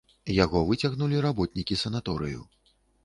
Яго выцягнулі работнікі санаторыю.